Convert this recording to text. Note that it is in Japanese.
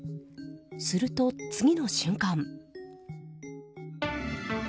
すると次の瞬間。